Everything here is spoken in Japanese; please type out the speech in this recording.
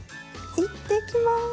行ってきます。